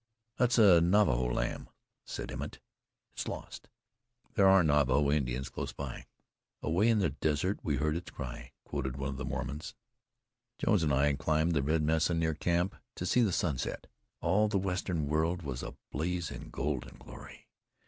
"That's a Navajo lamb," said Emmett. "It's lost. There are Navajo Indians close by." "Away in the desert we heard its cry," quoted one of the Mormons. Jones and I climbed the red mesa near camp to see the sunset. All the western world was ablaze in golden glory.